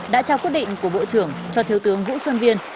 đã trao quyết định của bộ trưởng cho thiếu tướng vũ xuân viên